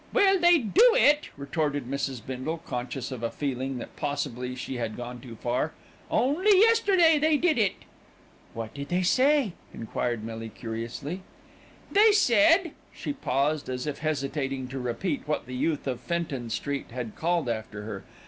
"Well, they do it," retorted Mrs. Bindle, conscious of a feeling that possibly she had gone too far; "only yesterday they did it." "What did they say?" enquired Millie curiously. "They said," she paused as if hesitating to repeat what the youth of Fenton Street had called after her.